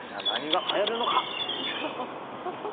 何がはやるのか。